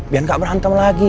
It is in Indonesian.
biar nggak berhantam lagi